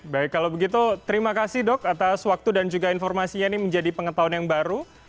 baik kalau begitu terima kasih dok atas waktu dan juga informasinya ini menjadi pengetahuan yang baru